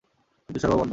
বিদ্যুৎ সরবরাহ বন্ধ।